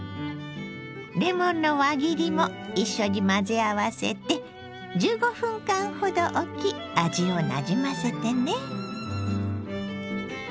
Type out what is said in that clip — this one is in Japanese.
レモンの輪切りも一緒に混ぜ合わせて１５分間ほどおき味をなじませてね。